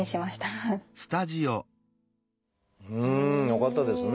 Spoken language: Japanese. よかったですね。